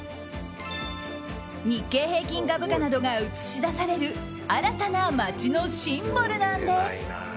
日経平均株価などが映し出される新たな街のシンボルなんです。